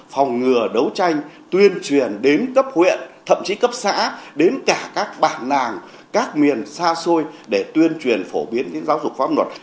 phòng ngừa đấu tranh tuyên truyền đến cấp huyện thậm chí cấp xã đến cả các bản nàng các miền xa xôi để tuyên truyền phổ biến đến giáo dục pháp luật